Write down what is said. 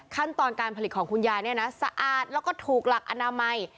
ขั้นตอนการผลิตของคุณยายเนี่ยนะสะอาดแล้วก็ถูกหลักอนามัย